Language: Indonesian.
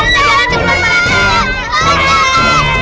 buruan jalan saya juga jalan jalan aduh